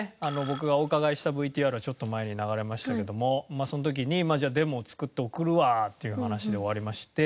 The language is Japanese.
僕がお伺いしたＶＴＲがちょっと前に流れましたけどもその時にじゃあデモを作って送るわっていう話で終わりまして。